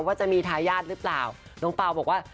ว่าจะมีทายาทหรือเปล่าน้องเปล่าบอกว่า